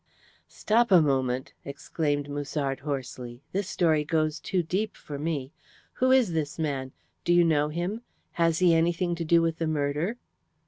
"Stop a moment," exclaimed Musard hoarsely. "This story goes too deep for me. Who is this man? Do you know him? Has he anything to do with the murder?"